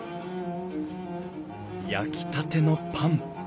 焼きたてのパン。